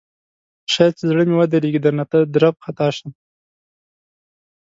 شاید چې زړه مې ودریږي درنه درب خطا شم